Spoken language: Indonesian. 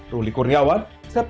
ruli kurniawan sepuluh